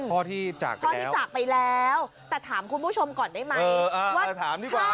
พ่อที่จากไปแล้วแต่ถามคุณผู้ชมก่อนได้ไหม